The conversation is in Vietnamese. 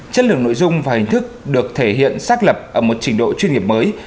chất lượng nội dung và hình thức được thể hiện xác lập ở một trình độ chuyên nghiệp mới